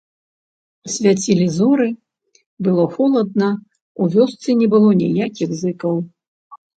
Свяцілі зоры, было холадна, у вёсцы не было ніякіх зыкаў.